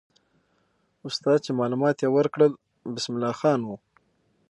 استاد چې معلومات یې ورکړل، بسم الله خان وو.